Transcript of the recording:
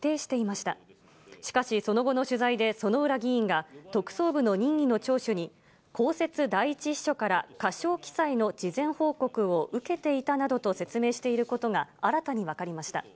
しかし、その後の取材で薗浦議員が特捜部の任意の聴取に公設第一秘書から過少記載の事前報告を受けていたなどと説明していることが新たに分かりました。